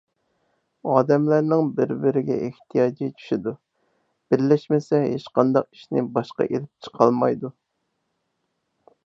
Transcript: ئادەملەرنىڭ بىر - بىرىگە ئېھتىياجى چۈشىدۇ، بىرلەشمىسە، ھېچقانداق ئىشنى باشقا ئېلىپ چىقالمايدۇ.